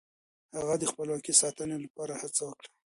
هغه د خپلواکۍ د ساتنې لپاره هڅه وکړه.